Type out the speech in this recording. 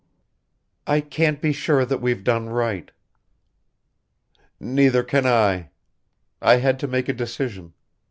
I can't be sure that we've done right." "Neither can I. I had to make a decision.